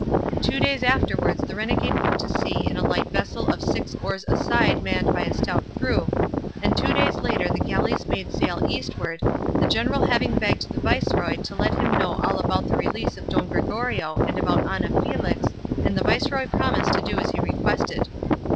Two days afterwards the renegade put to sea in a light vessel of six oars a side manned by a stout crew, and two days later the galleys made sail eastward, the general having begged the viceroy to let him know all about the release of Don Gregorio and about Ana Felix, and the viceroy promised to do as he requested.